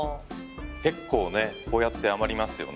結構ねこうやって余りますよね。